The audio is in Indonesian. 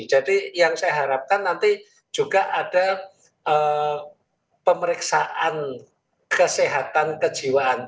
jadi yang saya harapkan nanti juga ada pemeriksaan kesehatan kejiwaan